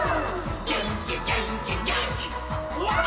「げんきげんきげんきわー！」